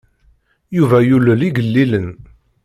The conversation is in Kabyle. Yuba yulel igellilen.